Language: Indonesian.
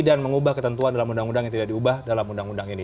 dan mengubah ketentuan dalam undang undang yang tidak diubah dalam undang undang ini